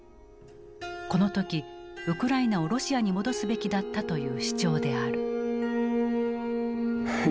この時ウクライナをロシアに戻すべきだったという主張である。